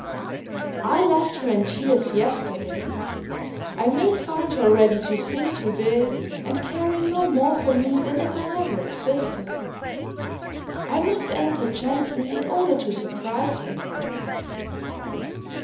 I left her in tears yesterday; I may find her ready to sing to day and caring no more for me than if I never existed. I must enter gently in order to surprise her."